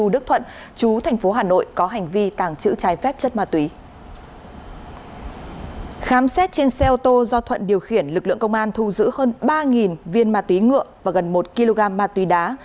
do thuận điều khiển lực lượng công an thu giữ hơn ba viên ma túy ngựa và gần một kg ma túy đá